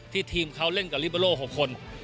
ทีมเขาเล่นกับลิเบอร์โล๖คน